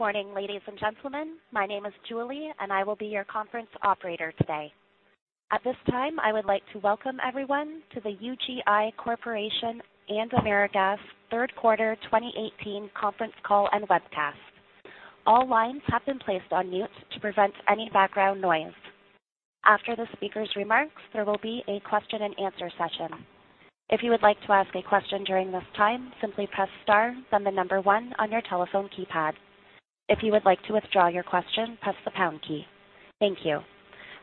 Good morning, ladies and gentlemen. My name is Julie, and I will be your conference operator today. At this time, I would like to welcome everyone to the UGI Corporation and AmeriGas Third Quarter 2018 conference call and webcast. All lines have been placed on mute to prevent any background noise. After the speakers' remarks, there will be a question and answer session. If you would like to ask a question during this time, simply press star then the number 1 on your telephone keypad. If you would like to withdraw your question, press the pound key. Thank you.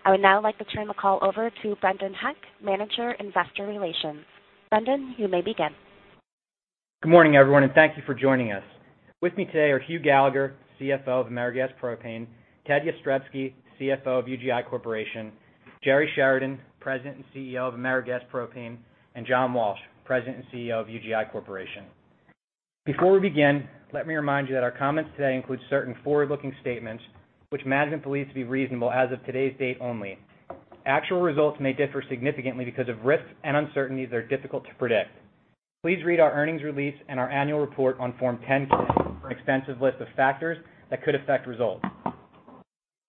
I would now like to turn the call over to Brendan Heck, Manager, Investor Relations. Brendan, you may begin. Good morning, everyone, and thank you for joining us. With me today are Hugh Gallagher, CFO of AmeriGas Propane, Ted Jastrzebski, CFO of UGI Corporation, Jerry Sheridan, President and CEO of AmeriGas Propane, and John Walsh, President and CEO of UGI Corporation. Before we begin, let me remind you that our comments today include certain forward-looking statements, which management believes to be reasonable as of today's date only. Actual results may differ significantly because of risks and uncertainties that are difficult to predict. Please read our earnings release and our annual report on Form 10-K for an extensive list of factors that could affect results.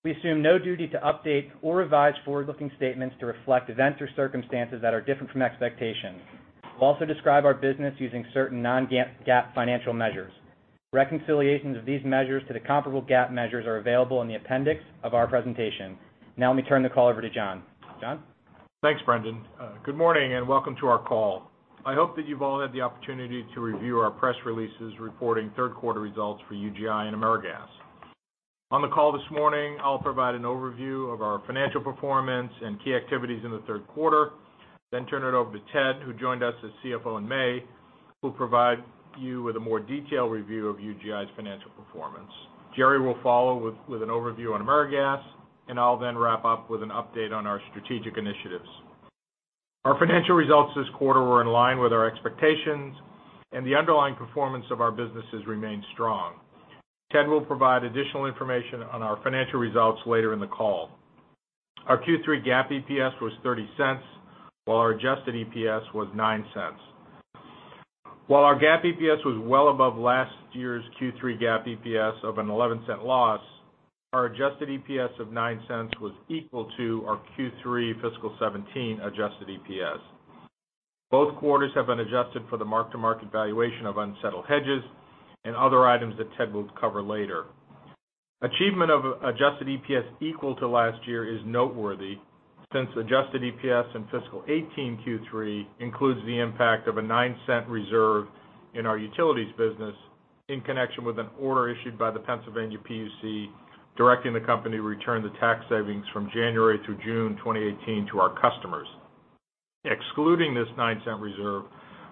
We assume no duty to update or revise forward-looking statements to reflect events or circumstances that are different from expectations. We will also describe our business using certain non-GAAP financial measures. Reconciliations of these measures to the comparable GAAP measures are available in the appendix of our presentation. Now let me turn the call over to John. John? Thanks, Brendan. Good morning and welcome to our call. I hope that you have all had the opportunity to review our press releases reporting Third Quarter results for UGI and AmeriGas. On the call this morning, I will provide an overview of our financial performance and key activities in the Third Quarter, then turn it over to Ted, who joined us as CFO in May, who will provide you with a more detailed review of UGI's financial performance. Jerry will follow with an overview on AmeriGas. I will then wrap up with an update on our strategic initiatives. Our financial results this quarter were in line with our expectations. The underlying performance of our businesses remained strong. Ted will provide additional information on our financial results later in the call. Our Q3 GAAP EPS was $0.30, while our adjusted EPS was $0.09. While our GAAP EPS was well above last year's Q3 GAAP EPS of a $0.11 loss, our adjusted EPS of $0.09 was equal to our Q3 fiscal 2017 adjusted EPS. Both quarters have been adjusted for the mark-to-market valuation of unsettled hedges and other items that Ted will cover later. Achievement of adjusted EPS equal to last year is noteworthy since adjusted EPS in fiscal 2018 Q3 includes the impact of a $0.09 reserve in our utilities business in connection with an order issued by the Pennsylvania PUC directing the company to return the tax savings from January to June 2018 to our customers. Excluding this $0.09 reserve,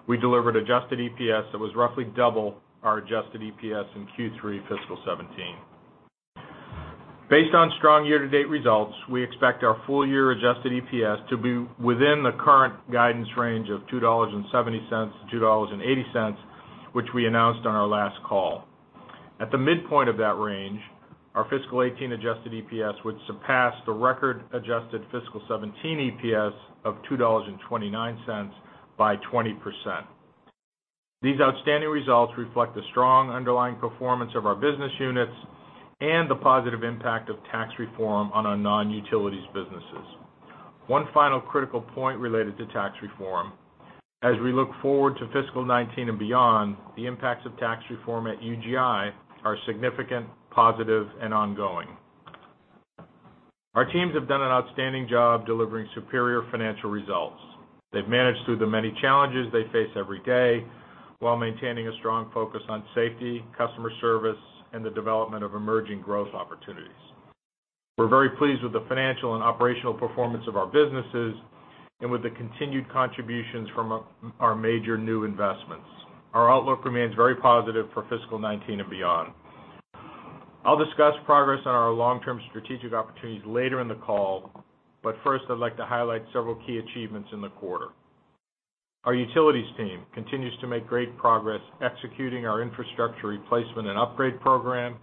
we delivered adjusted EPS that was roughly double our adjusted EPS in Q3 fiscal 2017. Based on strong year-to-date results, we expect our full-year adjusted EPS to be within the current guidance range of $2.70-$2.80, which we announced on our last call. At the midpoint of that range, our fiscal 2018 adjusted EPS would surpass the record adjusted fiscal 2017 EPS of $2.29 by 20%. These outstanding results reflect the strong underlying performance of our business units and the positive impact of tax reform on our non-utilities businesses. One final critical point related to tax reform. As we look forward to fiscal 2019 and beyond, the impacts of tax reform at UGI are significant, positive, and ongoing. Our teams have done an outstanding job delivering superior financial results. They've managed through the many challenges they face every day while maintaining a strong focus on safety, customer service, and the development of emerging growth opportunities. We're very pleased with the financial and operational performance of our businesses and with the continued contributions from our major new investments. Our outlook remains very positive for fiscal 2019 and beyond. I'll discuss progress on our long-term strategic opportunities later in the call. First, I'd like to highlight several key achievements in the quarter. Our utilities team continues to make great progress executing our infrastructure replacement and upgrade program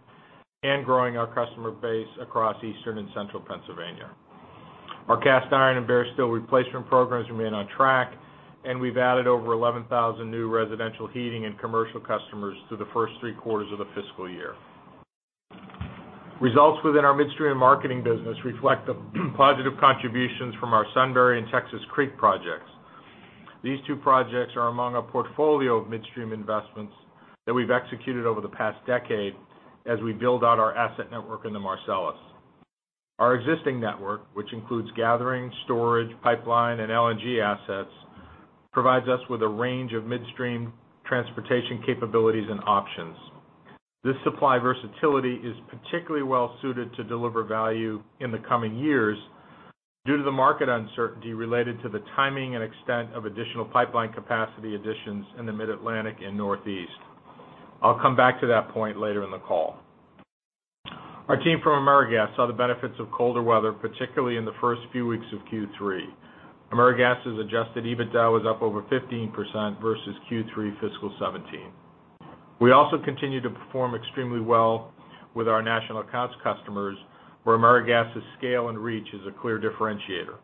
and growing our customer base across Eastern and Central Pennsylvania. Our cast iron and bare steel replacement programs remain on track, and we've added over 11,000 new residential heating and commercial customers through the first three quarters of the fiscal year. Results within our midstream marketing business reflect the positive contributions from our Sunbury and Texas Creek projects. These two projects are among a portfolio of midstream investments that we've executed over the past decade as we build out our asset network in the Marcellus. Our existing network, which includes gathering, storage, pipeline, and LNG assets, provides us with a range of midstream transportation capabilities and options. This supply versatility is particularly well-suited to deliver value in the coming years due to the market uncertainty related to the timing and extent of additional pipeline capacity additions in the Mid-Atlantic and Northeast. I'll come back to that point later in the call. Our team from AmeriGas saw the benefits of colder weather, particularly in the first few weeks of Q3. AmeriGas' adjusted EBITDA was up over 15% versus Q3 fiscal 2017. We also continue to perform extremely well with our national accounts customers, where AmeriGas's scale and reach is a clear differentiator.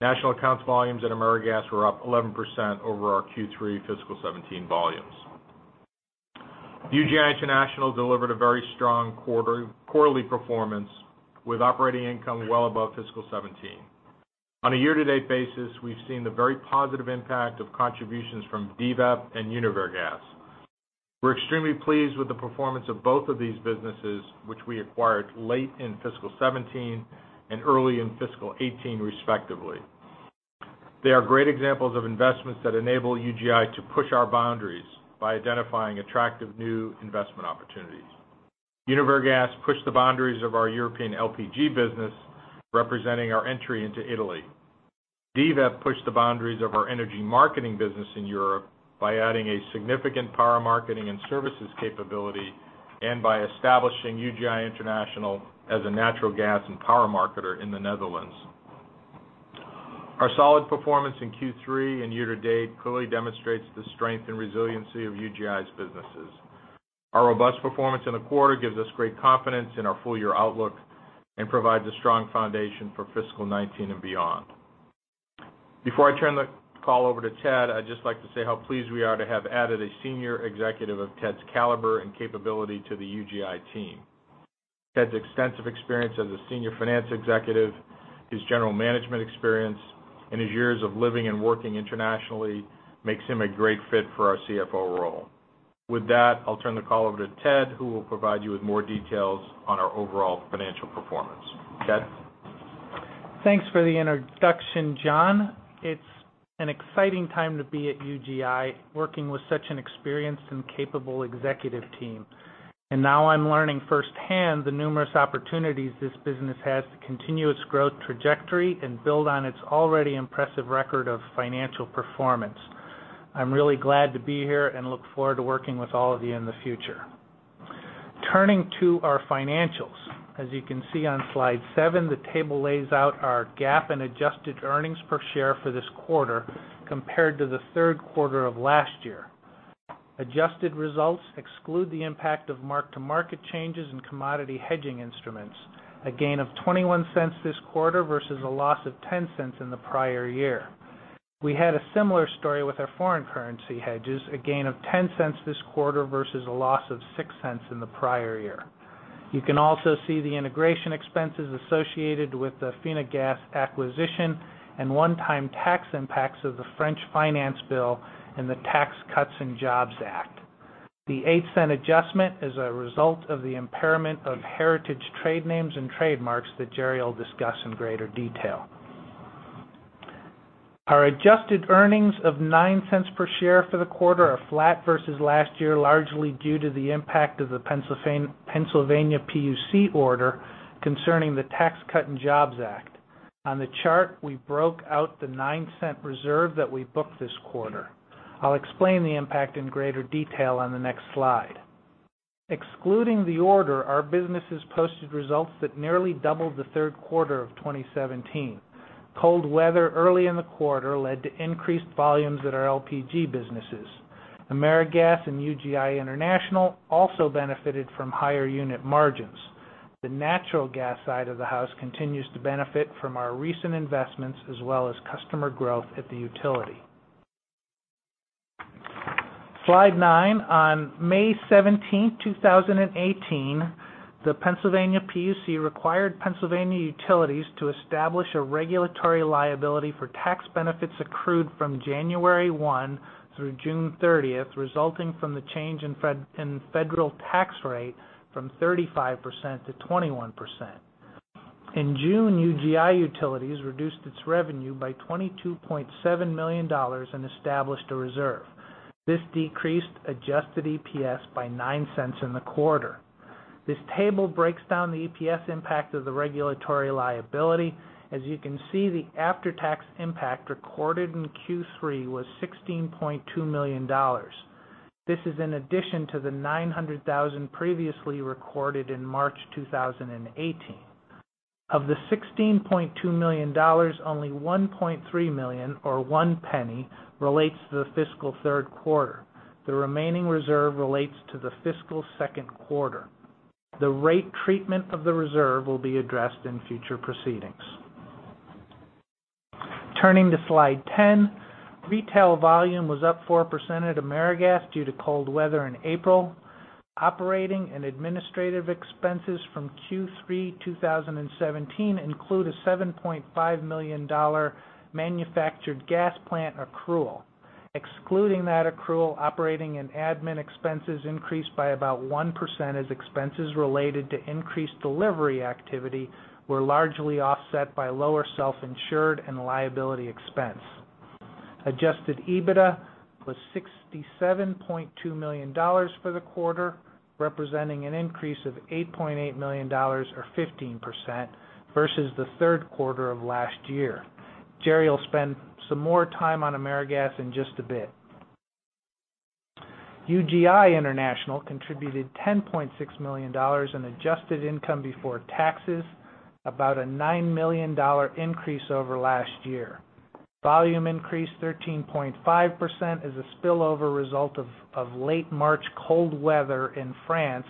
National accounts volumes at AmeriGas were up 11% over our Q3 fiscal 2017 volumes. UGI International delivered a very strong quarterly performance, with operating income well above fiscal 2017. On a year-to-date basis, we've seen the very positive impact of contributions from DVEP and UniverGas. We're extremely pleased with the performance of both of these businesses, which we acquired late in fiscal 2017 and early in fiscal 2018, respectively. They are great examples of investments that enable UGI to push our boundaries by identifying attractive new investment opportunities. UniverGas pushed the boundaries of our European LPG business, representing our entry into Italy. DVEP pushed the boundaries of our energy marketing business in Europe by adding a significant power marketing and services capability and by establishing UGI International as a natural gas and power marketer in the Netherlands. Our solid performance in Q3 and year-to-date clearly demonstrates the strength and resiliency of UGI's businesses. Our robust performance in the quarter gives us great confidence in our full-year outlook and provides a strong foundation for fiscal 2019 and beyond. Before I turn the call over to Ted, I'd just like to say how pleased we are to have added a senior executive of Ted's caliber and capability to the UGI team. Ted's extensive experience as a senior finance executive, his general management experience, and his years of living and working internationally makes him a great fit for our CFO role. With that, I'll turn the call over to Ted, who will provide you with more details on our overall financial performance. Ted? Thanks for the introduction, John. It's an exciting time to be at UGI, working with such an experienced and capable executive team. Now I'm learning firsthand the numerous opportunities this business has to continue its growth trajectory and build on its already impressive record of financial performance. I'm really glad to be here, and look forward to working with all of you in the future. Turning to our financials. As you can see on slide seven, the table lays out our GAAP and adjusted earnings per share for this quarter compared to the third quarter of last year. Adjusted results exclude the impact of mark-to-market changes in commodity hedging instruments, a gain of $0.21 this quarter versus a loss of $0.10 in the prior year. We had a similar story with our foreign currency hedges, a gain of $0.10 this quarter versus a loss of $0.06 in the prior year. You can also see the integration expenses associated with the Finagaz acquisition and one-time tax impacts of the French Finance Bill and the Tax Cuts and Jobs Act. The $0.08 adjustment is a result of the impairment of Heritage trade names and trademarks that Jerry will discuss in greater detail. Our adjusted earnings of $0.09 per share for the quarter are flat versus last year, largely due to the impact of the Pennsylvania PUC order concerning the Tax Cuts and Jobs Act. On the chart, we broke out the $0.09 reserve that we booked this quarter. I'll explain the impact in greater detail on the next slide. Excluding the order, our businesses posted results that nearly doubled the third quarter of 2017. Cold weather early in the quarter led to increased volumes at our LPG businesses. AmeriGas and UGI International also benefited from higher unit margins. The natural gas side of the house continues to benefit from our recent investments as well as customer growth at the utility. Slide nine. On May 17th, 2018, the Pennsylvania PUC required Pennsylvania Utilities to establish a regulatory liability for tax benefits accrued from January 1 through June 30th, resulting from the change in federal tax rate from 35% to 21%. In June, UGI Utilities reduced its revenue by $22.7 million and established a reserve. This decreased adjusted EPS by $0.09 in the quarter. This table breaks down the EPS impact of the regulatory liability. As you can see, the after-tax impact recorded in Q3 was $16.2 million. This is in addition to the $900,000 previously recorded in March 2018. Of the $16.2 million, only $1.3 million, or $0.01, relates to the fiscal third quarter. The remaining reserve relates to the fiscal second quarter. The rate treatment of the reserve will be addressed in future proceedings. Turning to slide 10. Retail volume was up 4% at AmeriGas due to cold weather in April. Operating and administrative expenses from Q3 2017 include a $7.5 million manufactured gas plant accrual. Excluding that accrual, operating and admin expenses increased by about 1% as expenses related to increased delivery activity were largely offset by lower self-insured and liability expense. Adjusted EBITDA was $67.2 million for the quarter, representing an increase of $8.8 million, or 15%, versus the third quarter of last year. Jerry will spend some more time on AmeriGas in just a bit. UGI International contributed $10.6 million in adjusted income before taxes, about a $9 million increase over last year. Volume increased 13.5% as a spillover result of late March cold weather in France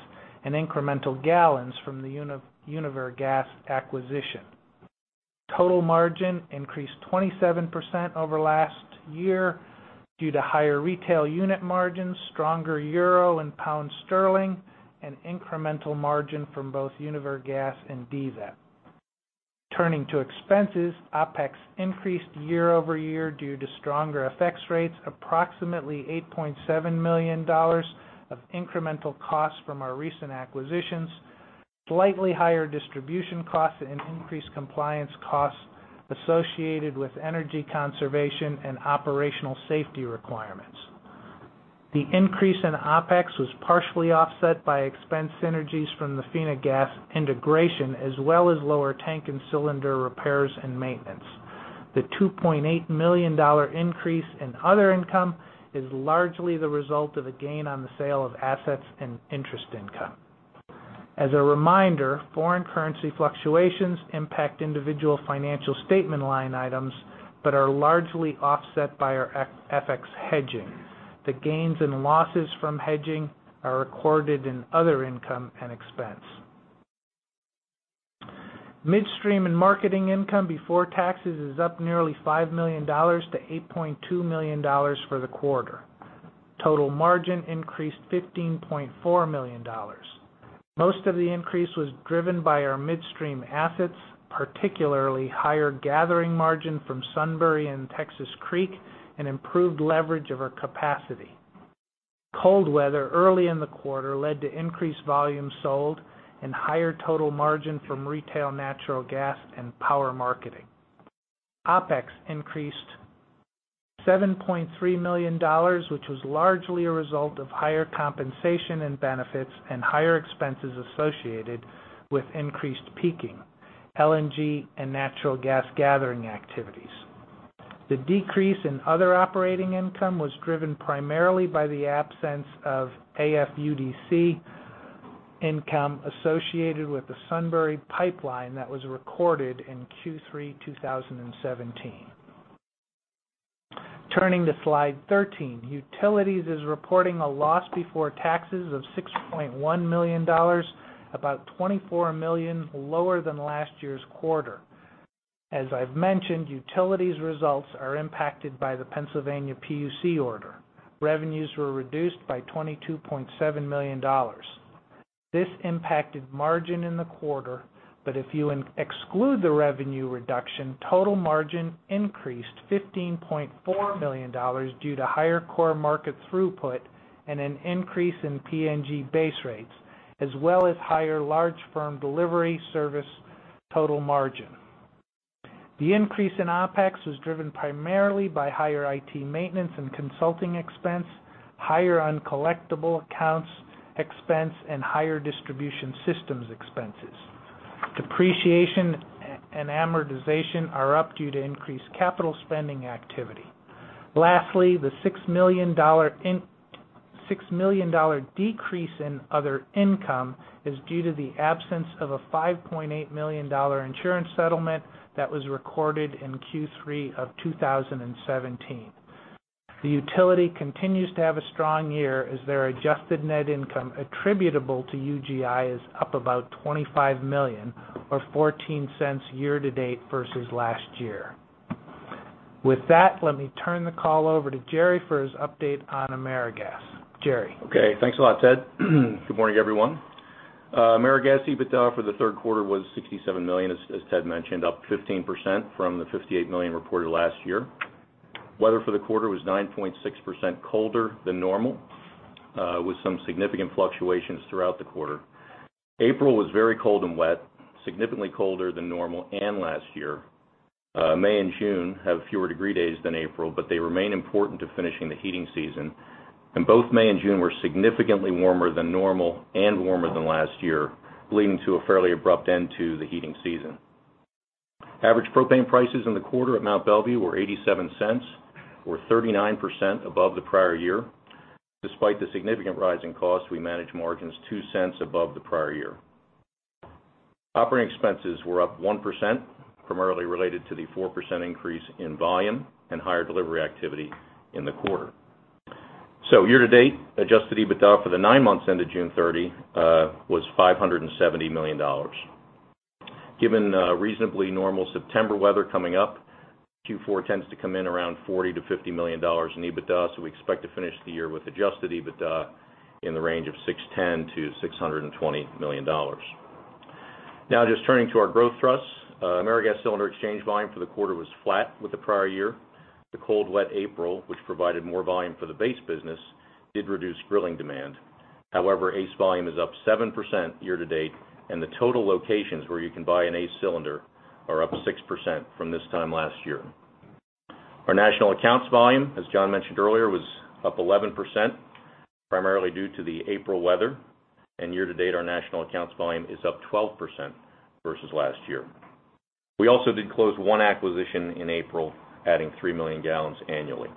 and incremental gallons from the UniverGas acquisition. Total margin increased 27% over last year due to higher retail unit margins, stronger euro and pound sterling, and incremental margin from both UniverGas and DVEP. Turning to expenses, OpEx increased year-over-year due to stronger FX rates, approximately $8.7 million of incremental costs from our recent acquisitions, slightly higher distribution costs, and increased compliance costs associated with energy conservation and operational safety requirements. The increase in OpEx was partially offset by expense synergies from the Finagaz integration, as well as lower tank and cylinder repairs and maintenance. The $2.8 million increase in other income is largely the result of a gain on the sale of assets and interest income. As a reminder, foreign currency fluctuations impact individual financial statement line items, but are largely offset by our FX hedging. The gains and losses from hedging are recorded in other income and expense. Midstream & Marketing income before taxes is up nearly $5 million to $8.2 million for the quarter. Total margin increased $15.4 million. Most of the increase was driven by our midstream assets, particularly higher gathering margin from Sunbury and Texas Creek, and improved leverage of our capacity. Cold weather early in the quarter led to increased volume sold and higher total margin from retail natural gas and power marketing. OpEx increased $7.3 million, which was largely a result of higher compensation and benefits and higher expenses associated with increased peaking, LNG, and natural gas gathering activities. The decrease in other operating income was driven primarily by the absence of AFUDC income associated with the Sunbury pipeline that was recorded in Q3 2017. Turning to slide 13. Utilities is reporting a loss before taxes of $6.1 million, about $24 million lower than last year's quarter. As I've mentioned, Utilities results are impacted by the Pennsylvania PUC order. Revenues were reduced by $22.7 million. This impacted margin in the quarter, but if you exclude the revenue reduction, total margin increased $15.4 million due to higher core market throughput and an increase in PNG base rates, as well as higher large firm delivery service total margin. The increase in OpEx was driven primarily by higher IT maintenance and consulting expense, higher uncollectible accounts expense, and higher distribution systems expenses. Depreciation and amortization are up due to increased capital spending activity. Lastly, the $6 million decrease in other income is due to the absence of a $5.8 million insurance settlement that was recorded in Q3 of 2017. The utility continues to have a strong year as their adjusted net income attributable to UGI is up about $25 million or $0.14 year-to-date versus last year. With that, let me turn the call over to Jerry for his update on AmeriGas. Jerry? Okay. Thanks a lot, Ted. Good morning, everyone. AmeriGas EBITDA for the third quarter was $67 million, as Ted mentioned, up 15% from the $58 million reported last year. Weather for the quarter was 9.6% colder than normal, with some significant fluctuations throughout the quarter. April was very cold and wet, significantly colder than normal and last year. May and June have fewer degree days than April, but they remain important to finishing the heating season, and both May and June were significantly warmer than normal and warmer than last year, leading to a fairly abrupt end to the heating season. Average propane prices in the quarter at Mont Belvieu were $0.87 or 39% above the prior year. Despite the significant rise in cost, we managed margins $0.02 above the prior year. Operating expenses were up 1%, primarily related to the 4% increase in volume and higher delivery activity in the quarter. So year-to-date, adjusted EBITDA for the nine months ended June 30 was $570 million. Given reasonably normal September weather coming up, Q4 tends to come in around $40 million-$50 million in EBITDA, so we expect to finish the year with adjusted EBITDA in the range of $610 million-$620 million. Now just turning to our growth thrusts. AmeriGas cylinder exchange volume for the quarter was flat with the prior year. The cold, wet April, which provided more volume for the base business, did reduce grilling demand. However, ACE volume is up 7% year-to-date, and the total locations where you can buy an ACE cylinder are up 6% from this time last year. Our national accounts volume, as John mentioned earlier, was up 11%, primarily due to the April weather. Year to date, our national accounts volume is up 12% versus last year. We also did close one acquisition in April, adding 3 million gallons annually.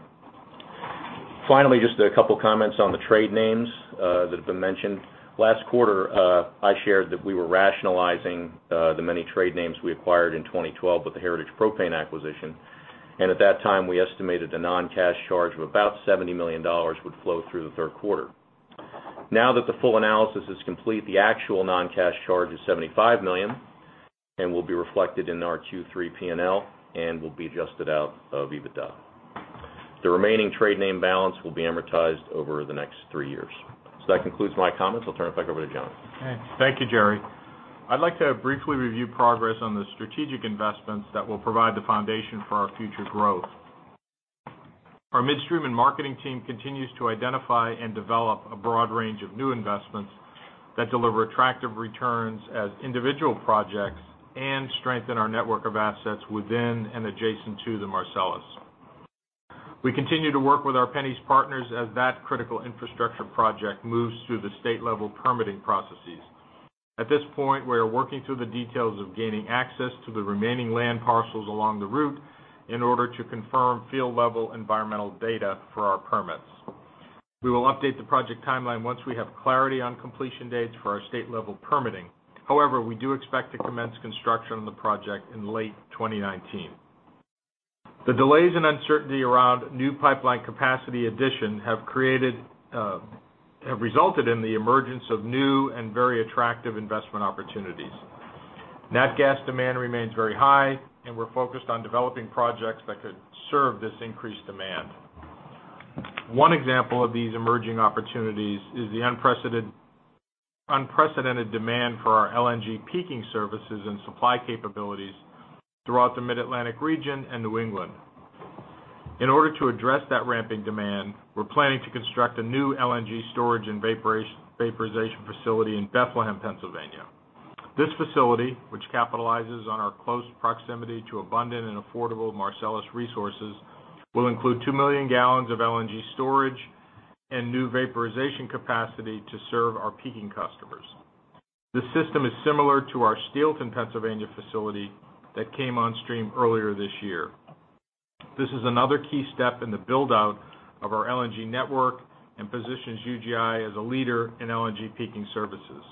Finally, just a couple of comments on the trade names that have been mentioned. Last quarter, I shared that we were rationalizing the many trade names we acquired in 2012 with the Heritage Propane acquisition, and at that time, we estimated a non-cash charge of about $70 million would flow through the third quarter. Now that the full analysis is complete, the actual non-cash charge is $75 million and will be reflected in our Q3 P&L and will be adjusted out of EBITDA. The remaining trade name balance will be amortized over the next three years. That concludes my comments. I'll turn it back over to John. Okay. Thank you, Jerry. I'd like to briefly review progress on the strategic investments that will provide the foundation for our future growth. Our Midstream & Marketing team continues to identify and develop a broad range of new investments that deliver attractive returns as individual projects and strengthen our network of assets within and adjacent to the Marcellus. We continue to work with our PennEast partners as that critical infrastructure project moves through the state-level permitting processes. At this point, we are working through the details of gaining access to the remaining land parcels along the route in order to confirm field-level environmental data for our permits. We will update the project timeline once we have clarity on completion dates for our state-level permitting. We do expect to commence construction on the project in late 2019. The delays and uncertainty around new pipeline capacity addition have resulted in the emergence of new and very attractive investment opportunities. Nat gas demand remains very high, and we're focused on developing projects that could serve this increased demand. One example of these emerging opportunities is the unprecedented demand for our LNG peaking services and supply capabilities throughout the Mid-Atlantic region and New England. In order to address that ramping demand, we're planning to construct a new LNG storage and vaporization facility in Bethlehem, Pennsylvania. This facility, which capitalizes on our close proximity to abundant and affordable Marcellus resources, will include 2 million gallons of LNG storage and new vaporization capacity to serve our peaking customers. This system is similar to our Steelton, Pennsylvania facility that came on stream earlier this year. This is another key step in the build-out of our LNG network and positions UGI as a leader in LNG peaking services.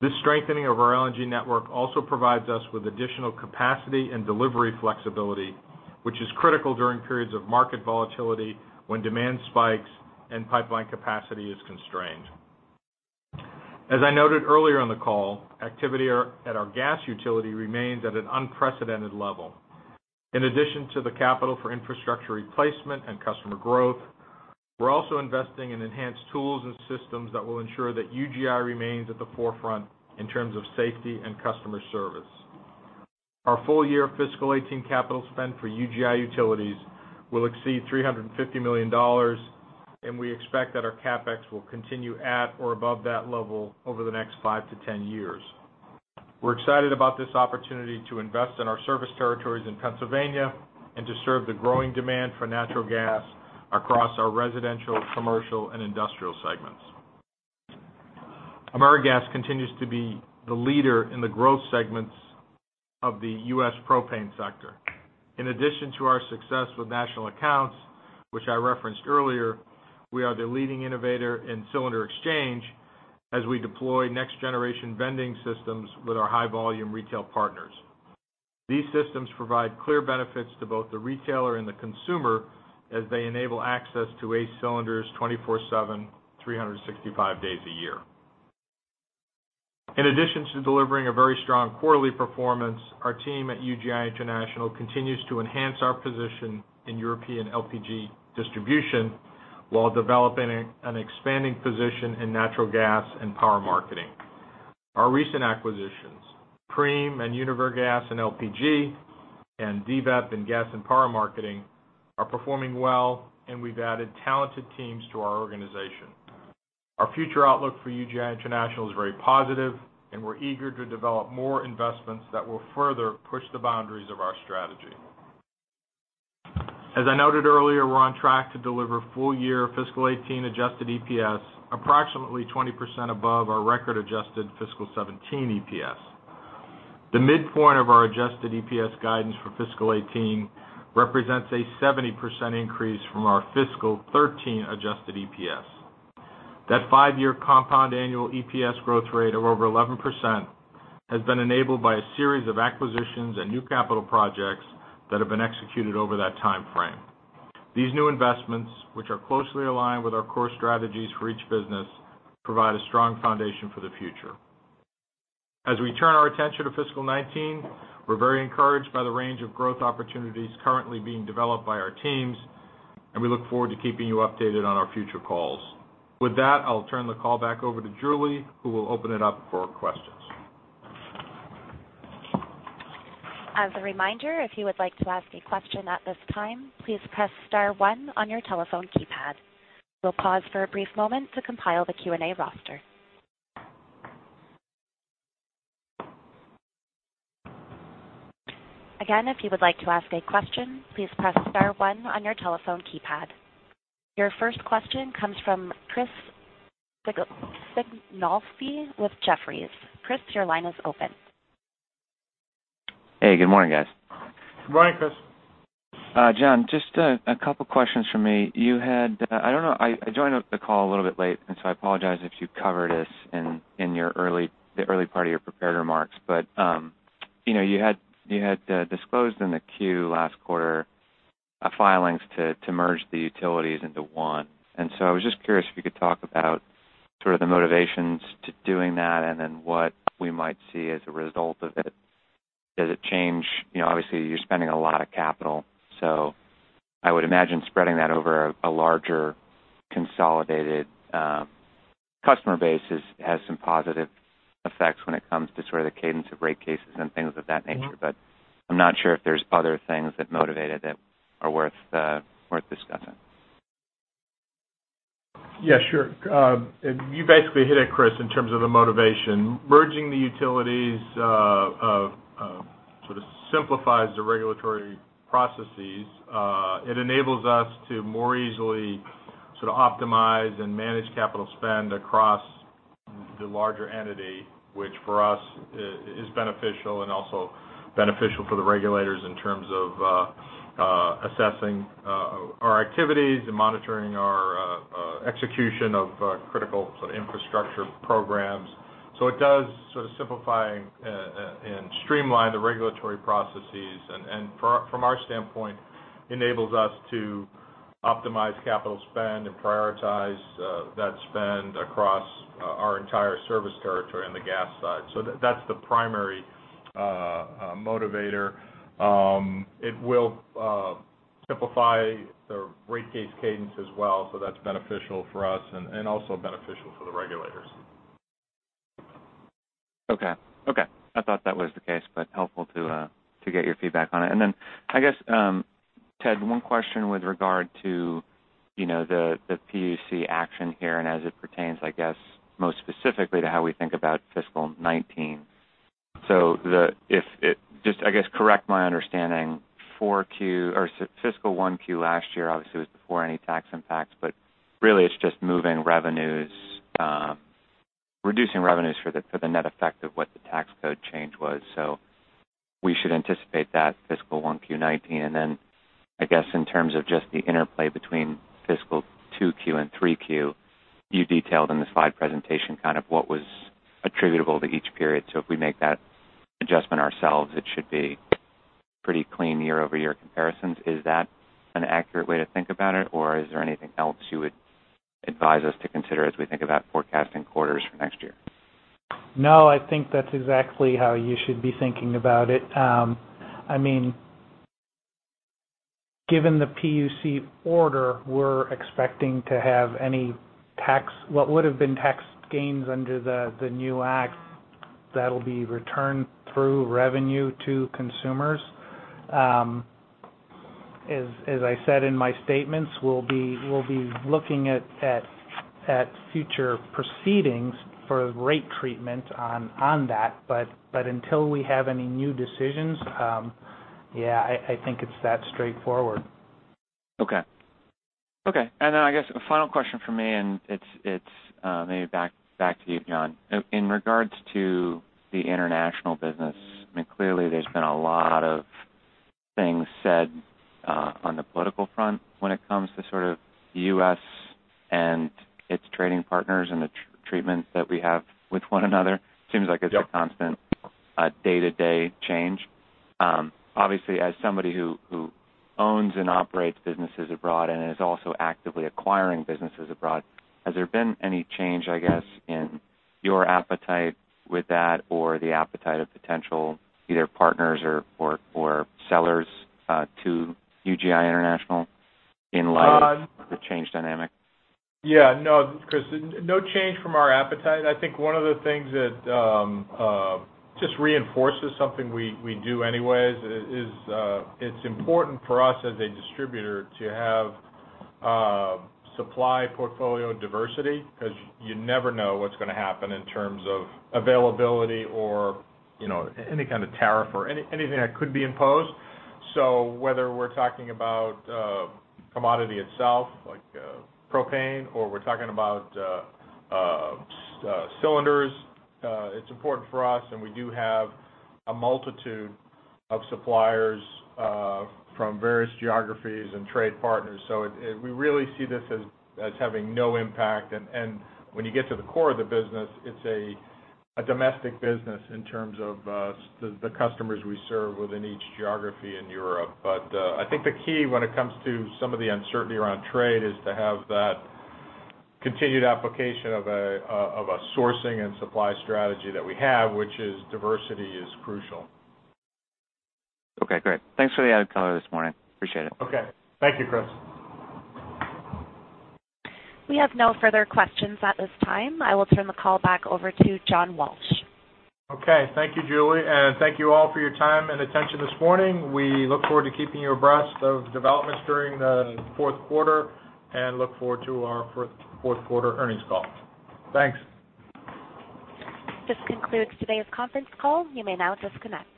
This strengthening of our LNG network also provides us with additional capacity and delivery flexibility, which is critical during periods of market volatility when demand spikes and pipeline capacity is constrained. As I noted earlier on the call, activity at our gas utility remains at an unprecedented level. In addition to the capital for infrastructure replacement and customer growth, we're also investing in enhanced tools and systems that will ensure that UGI remains at the forefront in terms of safety and customer service. Our full-year fiscal 2018 capital spend for UGI Utilities will exceed $350 million, and we expect that our CapEx will continue at or above that level over the next five to 10 years. We're excited about this opportunity to invest in our service territories in Pennsylvania and to serve the growing demand for natural gas across our residential, commercial, and industrial segments. AmeriGas continues to be the leader in the growth segments of the U.S. propane sector. In addition to our success with national accounts, which I referenced earlier, we are the leading innovator in cylinder exchange as we deploy next-generation vending systems with our high-volume retail partners. These systems provide clear benefits to both the retailer and the consumer as they enable access to eight cylinders, 24/7, 365 days a year. In addition to delivering a very strong quarterly performance, our team at UGI International continues to enhance our position in European LPG distribution while developing an expanding position in natural gas and power marketing. Our recent acquisitions, Flaga and UniverGas in LPG and DVEP in gas and power marketing, are performing well, and we've added talented teams to our organization. Our future outlook for UGI International is very positive, and we're eager to develop more investments that will further push the boundaries of our strategy. As I noted earlier, we're on track to deliver full-year fiscal 2018 adjusted EPS approximately 20% above our record adjusted fiscal 2017 EPS. The midpoint of our adjusted EPS guidance for fiscal 2018 represents a 70% increase from our fiscal 2013 adjusted EPS. That five-year compound annual EPS growth rate of over 11% has been enabled by a series of acquisitions and new capital projects that have been executed over that timeframe. These new investments, which are closely aligned with our core strategies for each business, provide a strong foundation for the future. As we turn our attention to fiscal 2019, we're very encouraged by the range of growth opportunities currently being developed by our teams, and we look forward to keeping you updated on our future calls. With that, I'll turn the call back over to Julie, who will open it up for questions. As a reminder, if you would like to ask a question at this time, please press star one on your telephone keypad. We will pause for a brief moment to compile the Q&A roster. Again, if you would like to ask a question, please press star one on your telephone keypad. Your first question comes from Christopher Sighinolfi with Jefferies. Chris, your line is open. Hey, good morning, guys. Good morning, Chris. John, just a couple questions from me. I apologize if you covered this in the early part of your prepared remarks. You had disclosed in the Q last quarter filings to merge the utilities into one. I was just curious if you could talk about sort of the motivations to doing that and then what we might see as a result of it. Does it change-- obviously, you are spending a lot of capital, so I would imagine spreading that over a larger consolidated customer base has some positive effects when it comes to sort of the cadence of rate cases and things of that nature. I'm not sure if there's other things that motivated it that are worth discussing. Yeah, sure. You basically hit it, Chris, in terms of the motivation. Merging the utilities sort of simplifies the regulatory processes. It enables us to more easily sort of optimize and manage capital spend across the larger entity, which for us is beneficial and also beneficial for the regulators in terms of assessing our activities and monitoring our execution of critical sort of infrastructure programs. It does sort of simplify and streamline the regulatory processes, and from our standpoint, enables us to optimize capital spend and prioritize that spend across our entire service territory on the gas side. That's the primary motivator. It will simplify the rate case cadence as well, so that's beneficial for us and also beneficial for the regulators. Okay. Okay. I thought that was the case, but helpful to get your feedback on it. I guess, Ted, one question with regard to the PUC action here and as it pertains, I guess, most specifically to how we think about fiscal 2019. Just, I guess, correct my understanding, fiscal 1Q last year obviously was before any tax impacts, but really it's just moving revenues, reducing revenues for the net effect of what the tax code change was. We should anticipate that fiscal 1Q 2019. I guess in terms of just the interplay between fiscal 2Q and 3Q, you detailed in the slide presentation kind of what was attributable to each period. If we make that adjustment ourselves, it should be pretty clean year-over-year comparisons. Is that an accurate way to think about it, or is there anything else you would advise us to consider as we think about forecasting quarters for next year? No, I think that's exactly how you should be thinking about it. Given the PUC order, we're expecting to have any tax, what would've been tax gains under the new act, that'll be returned through revenue to consumers. As I said in my statements, we'll be looking at future proceedings for rate treatment on that. Until we have any new decisions, yeah, I think it's that straightforward. Okay. Okay. Then I guess a final question from me, and it's maybe back to you, John. In regards to the international business, clearly there's been a lot of things said on the political front when it comes to sort of U.S. and its trading partners and the treatments that we have with one another. Yep. Seems like it's a constant day-to-day change. Obviously, as somebody who owns and operates businesses abroad and is also actively acquiring businesses abroad, has there been any change, I guess, in your appetite with that or the appetite of potential either partners or sellers to UGI International in light of the changed dynamic? Yeah, no, Chris, no change from our appetite. I think one of the things that just reinforces something we do anyway is it's important for us as a distributor to have supply portfolio diversity because you never know what's going to happen in terms of availability or any kind of tariff or anything that could be imposed. Whether we're talking about commodity itself, like propane, or we're talking about cylinders, it's important for us, and we do have a multitude of suppliers from various geographies and trade partners. We really see this as having no impact. When you get to the core of the business, it's a domestic business in terms of the customers we serve within each geography in Europe. I think the key when it comes to some of the uncertainty around trade is to have that continued application of a sourcing and supply strategy that we have, which is diversity is crucial. Okay, great. Thanks for the added color this morning. Appreciate it. Okay. Thank you, Chris. We have no further questions at this time. I will turn the call back over to John Walsh. Okay, thank you, Julie, and thank you all for your time and attention this morning. We look forward to keeping you abreast of developments during the fourth quarter and look forward to our fourth quarter earnings call. Thanks. This concludes today's conference call. You may now disconnect.